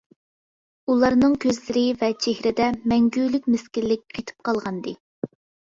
ئۇلارنىڭ كۆزلىرى ۋە چېھرىدە مەڭگۈلۈك مىسكىنلىك قېتىپ قالغانىدى.